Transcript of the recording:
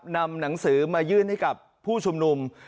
นำหนังสือมายื่นให้กับผู้ชุมนุม